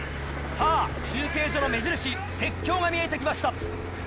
さぁ中継所の目印鉄橋が見えて来ました。